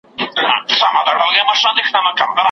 ژوند د هر انسان لپاره تر ټولو لویه شتمني ده.